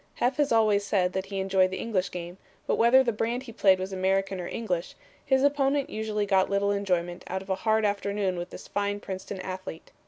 Heff has always said that he enjoyed the English game, but whether the brand he played was American or English, his opponent usually got little enjoyment out of a hard afternoon with this fine Princeton athlete.